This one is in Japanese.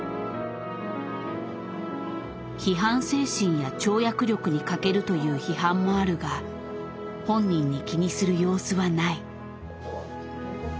批判精神や跳躍力に欠けるという批判もあるが本人に気にする様子はない。